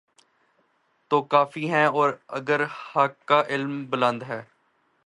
تو کوفی ہیں اور اگر حق کا علم بلند کرتے